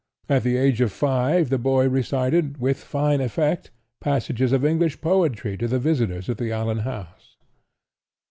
At the age of five the boy recited, with fine effect, passages of English poetry to the visitors at the Allan house.